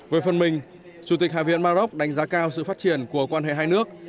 về phần mình chủ tịch hạ viện maroc đánh giá cao sự phát triển của quan hệ hai nước